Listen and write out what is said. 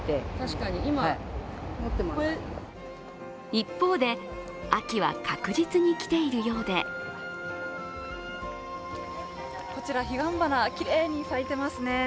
一方で、秋は確実に来ているようでこちら、彼岸花、きれいに咲いていますね。